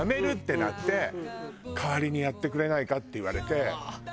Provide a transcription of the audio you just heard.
「代わりにやってくれないか？」って言われて。